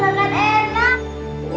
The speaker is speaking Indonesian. wah banyak banget